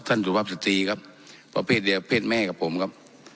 ท่านสุดภาพสตรีครับต่อเพศเดียวเพศแม่กับผมครับ